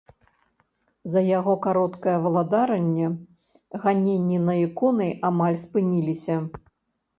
За яго кароткае валадаранне ганенні на іконы амаль спыніліся.